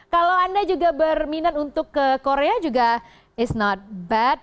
kalau anda juga berminat untuk ke korea juga it's not bad